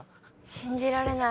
信じられない。